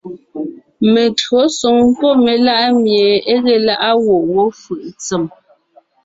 Meÿǒsoŋ pɔ́ melá’ mie é ge lá’a gwɔ̂ wó fʉʼ ntsèm :